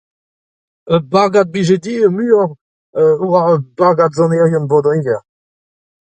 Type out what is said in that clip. Ar bagad 'blije din ar muiañ a oa bagad sonerien Bro-Dreger.